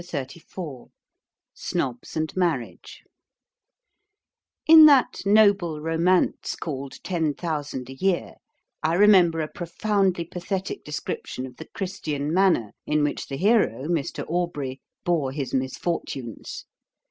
CHAPTER XXXIV SNOBS AND MARRIAGE In that noble romance called 'Ten Thousand a Year,' I remember a profoundly pathetic description of the Christian manner in which the hero, Mr. Aubrey, bore his misfortunes.